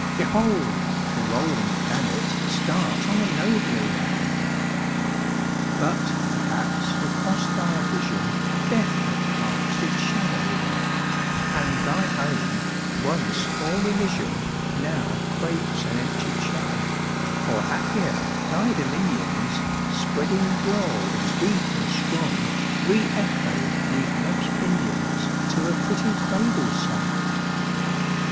Behold! the rolling planet Starts on a nobler round. But perhaps across thy vision Death had cast its shadow there, And thy home, once all elysian, Now crapes an empty chair; Or happier, thy dominions, Spreading broad and deep and strong, Re echo 'neath love's pinions To a pretty cradle song!